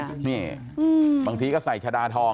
นี่บางทีก็ใส่ชะดาทอง